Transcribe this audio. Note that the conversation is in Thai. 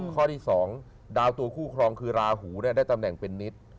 ข้อที่๒ดาวตัวคู่ครองคือราหูได้ตำแหน่งเป็นนิต